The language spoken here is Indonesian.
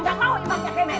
saya gak mau imamnya kemet